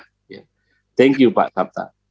terima kasih pak sabta